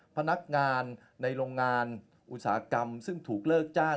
พนักงานในโรงงานอุตสาหกรรมซึ่งถูกเลิกจ้าง